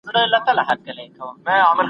موږ د خپلواکو هېوادونو پر خاوره یرغل نه کوو.